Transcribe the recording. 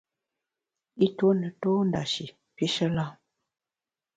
I ntue ne tô ndashi pishe lam.